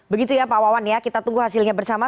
begitu ya pak wawan ya kita tunggu hasilnya bersama